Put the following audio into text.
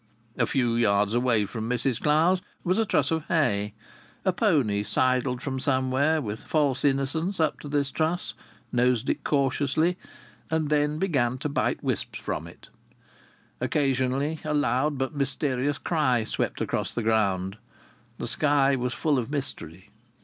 A few yards away from Mrs Clowes was a truss of hay; a pony sidled from somewhere with false innocence up to this truss, nosed it cautiously, and then began to bite wisps from it. Occasionally a loud but mysterious cry swept across the ground. The sky was full of mystery.